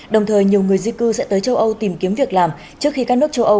đồng thời nhiều người di cư sẽ tới châu âu tìm kiếm việc làm trước khi các nước châu âu